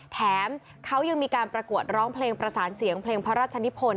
แถมเขายังมีการประกวดร้องเพลงประสานเสียงเพลงพระราชนิพล